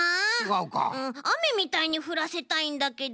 うんあめみたいにふらせたいんだけど。